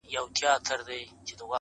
د تورو سترگو وه سورخۍ ته مي ـ